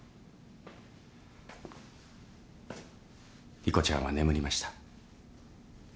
莉子ちゃんは眠りました。